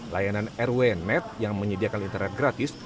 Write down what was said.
layanan rwnmed yang menyediakan internet gratis